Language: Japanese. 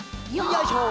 よいしょ